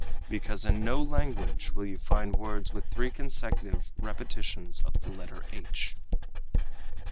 "Because in no language will you find words with three consecutive repetitions of the letter _h."